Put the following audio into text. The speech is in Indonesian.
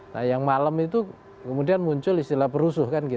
nah yang malam itu kemudian muncul istilah berusuh kan